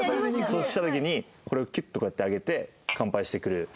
そうした時にこれをキュッとこうやって上げて乾杯してくれる。